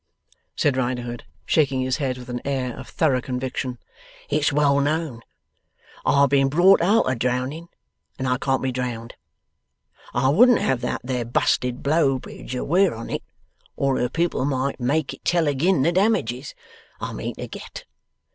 said Riderhood, shaking his head with an air of thorough conviction, 'it's well known. I've been brought out o' drowning, and I can't be drowned. I wouldn't have that there busted B'lowbridger aware on it, or her people might make it tell agin' the damages I mean to get.